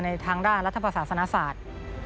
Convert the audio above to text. ในทางราษฎรษัศนศาสตร์